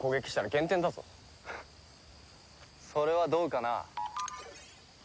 フッそれはどうかな？